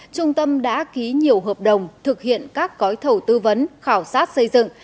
trung tâm đã ký nhiều hợp đồng thực hiện các cõi thầu tư vấn khảo sát xây dựng